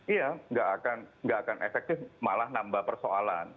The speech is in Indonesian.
iya nggak akan efektif malah nambah persoalan